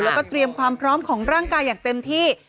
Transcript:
แล้วก็เตรียมความพร้อมของร่างกายอย่างเต็มที่